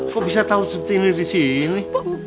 kok bisa tahu suntini di sini